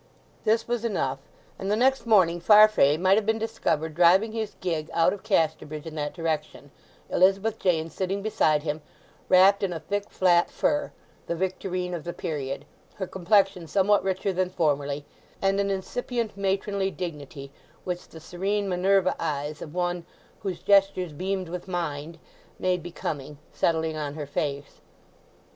This was enough; and the next morning Farfrae might have been discovered driving his gig out of Casterbridge in that direction, Elizabeth Jane sitting beside him, wrapped in a thick flat fur—the victorine of the period—her complexion somewhat richer than formerly, and an incipient matronly dignity, which the serene Minerva eyes of one "whose gestures beamed with mind" made becoming, settling on her face.